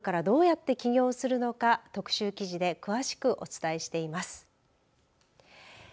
シンガポールからどうやって起業するのか特集記事で詳しくお伝えしています。